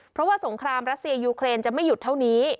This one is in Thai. เพราะว่าสงครามรัสเซียยูเครนจะไม่หยุดเท่านี้